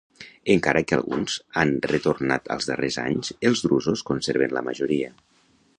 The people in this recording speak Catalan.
Encara que alguns han retornat als darrers anys els drusos conserven la majoria.